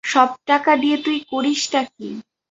সব টাকা দিয়ে তুই করিসটা কী?